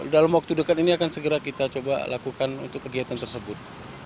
dalam waktu dekat ini akan segera kita coba lakukan untuk kegiatan tersebut